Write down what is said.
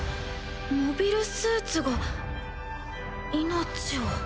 モビルスーツが命を。